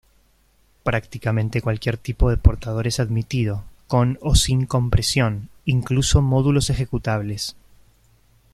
Prácticamente cualquier tipo de portador es admitido, con o sin compresión, incluso módulos ejecutables.